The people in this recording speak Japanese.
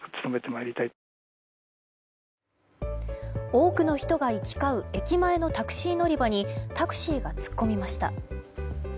多くの人が行き交う駅前のタクシー乗り場にタクシーが突っ込みました。